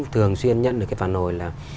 thường xuyên nhận được cái phản hồi là